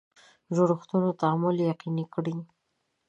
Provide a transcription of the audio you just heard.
څوک به د مختلفو جوړښتونو تعامل یقیني کړي؟